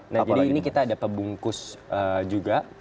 nah ini kita ada pembungkus juga